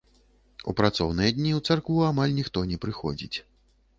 У працоўныя дні ў царкву амаль ніхто не прыходзіць.